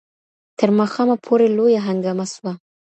تر ماښامه پوري لویه هنگامه سوه ..